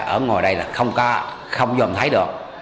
ở ngồi đây là không có không dùm thấy được